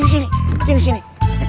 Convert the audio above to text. mas ipi apa terlaku enak